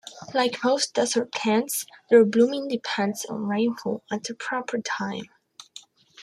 Like most desert plants, their blooming depends on rainfall at the proper time.